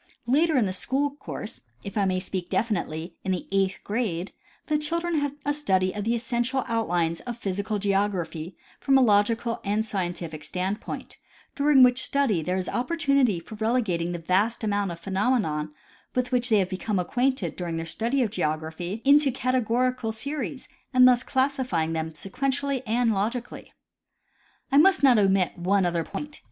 Later in the school course, if I may speak definitely, in the eighth grade, the children have a study of the essential outlines of physical geography from a logical and scientific standpoint, during which study there is opportunity for relegating the vast amount of phenomena with which they have become acquainted during their study of geography into categorical series, and thus classifying them sequentially and logically. I must not omit one other point.